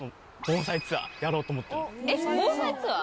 えっ盆栽ツアー？